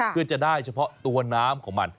เพื่อจะได้เฉพาะตัวน้ำของมัน